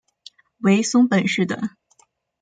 为松本市的。